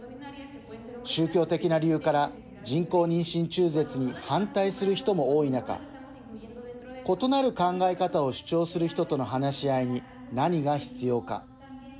宗教的な理由から人工妊娠中絶に反対する人も多い中異なる考え方を主張する人との話し合いに何が必要か。